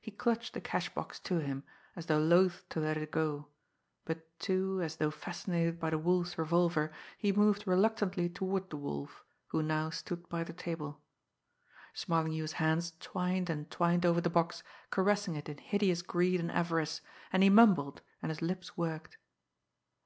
He clutched the cash box to him, as though loath to let it go; but, too, as though fascinated by the Wolf's revolver, he moved reluctantly toward the Wolf, who now stood by the table. Smarlinghue's hands twined and twined over the box, caressing it in hideous greed and avarice; and he mumbled, and his lips worked.